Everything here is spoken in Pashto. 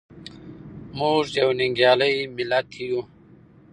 موږ یو ننګیالی ملت یو.